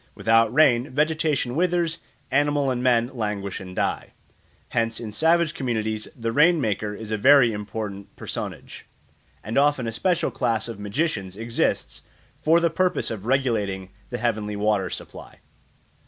Without rain vegetation withers, animals and men languish and die. Hence in savage communities the rain maker is a very important personage; and often a special class of magicians exists for the purpose of regulating the heavenly water supply.